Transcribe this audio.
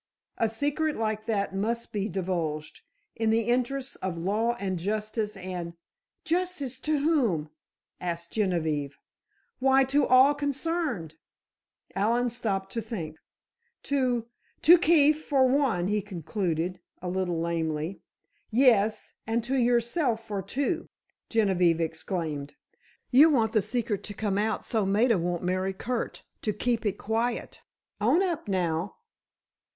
A secret like that must be divulged—in the interests of law and justice and——" "Justice to whom?" asked Genevieve. "Why, to all concerned." Allen stopped to think. "To—to Keefe, for one," he concluded, a little lamely. "Yes, and to yourself for two!" Genevieve exclaimed. "You want the secret to come out so Maida won't marry Curt to keep it quiet! Own up, now."